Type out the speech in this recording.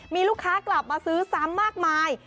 มีลูกค้ากลับมาซื้อซ้ำมากมาย